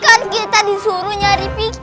kan kita disuruh nyari pikir